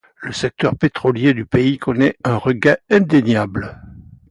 Le secteur pétrolier du pays connaît donc un regain indéniable.